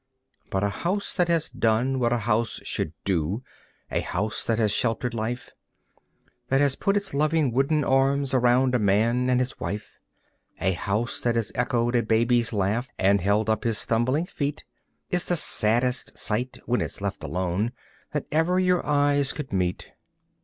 But a house that has done what a house should do, a house that has sheltered life, That has put its loving wooden arms around a man and his wife, A house that has echoed a baby's laugh and held up his stumbling feet, Is the saddest sight, when it's left alone, that ever your eyes could meet.